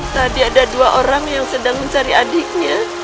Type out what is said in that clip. tadi ada dua orang yang sedang mencari adiknya